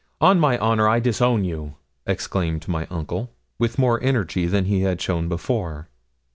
On my honour, I disown you,' exclaimed my uncle, with more energy than he had shown before.